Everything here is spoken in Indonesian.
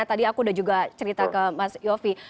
tadi aku udah juga cerita ke mas yofi